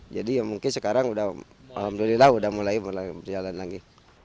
jadi mungkin sekarang alhamdulillah sudah mulai berjalan lagi